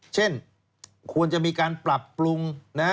เช่นควรจะมีการปรับปรุง